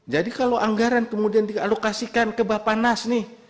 jadi kalau anggaran kemudian di alokasikan ke bapanas nih